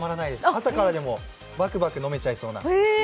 朝からでもバクバク飲めちゃいそうな。